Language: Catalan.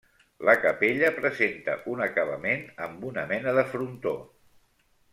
La capella presenta un acabament amb una mena de frontó.